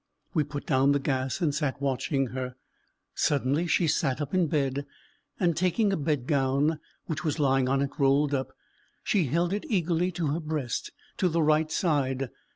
We put down the gas and sat watching her. Suddenly she sat up in bed, and taking a bed gown which was lying on it rolled up, she held it eagerly to her breast to the right side.